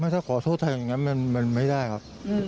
ถ้าขอโทษแบบนั้นมันไม่ได้ครับ